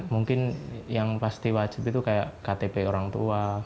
mungkin yang pasti wajib itu kayak ktp orang tua